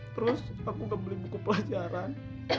lalu aku tidak beli buku pelajaran